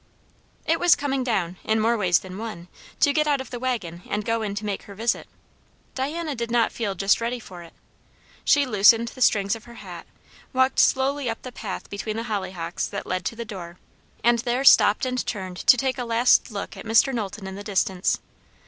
It was coming down, in more ways than one, to get out of the waggon and go in to make her visit. Diana did not feel just ready for it. She loosened the strings of her hat, walked slowly up the path between the hollyhocks that led to the door, and there stopped and turned to take a last look at Mr. Knowlton in the distance.